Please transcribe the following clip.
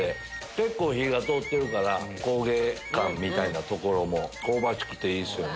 結構火が通ってるから焦げ感みたいなところも香ばしくていいっすね。